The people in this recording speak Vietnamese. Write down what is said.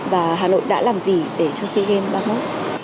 và hà nội đã làm gì để cho sea games ba mươi một